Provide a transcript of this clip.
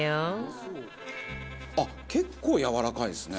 あっ結構やわらかいんですね。